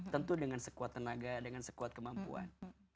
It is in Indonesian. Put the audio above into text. tentu dengan sekuat tenaga dengan sekuat kemampuan